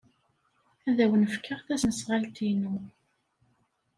Ad awen-fkeɣ tasnasɣalt-inu.